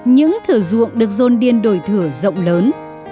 những thử ruộng được rôn điên đổi thử rộng lớn